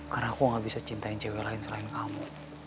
karena aku tidak bisa cintai cewek lain selain kamu